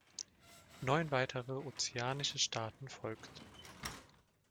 Neun weitere ozeanische Staaten folgten.